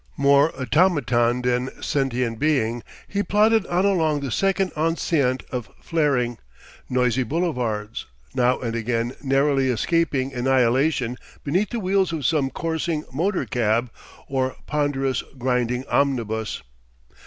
More automaton than sentient being, he plodded on along the second enceinte of flaring, noisy boulevards, now and again narrowly escaping annihilation beneath the wheels of some coursing motor cab or ponderous, grinding omnibus.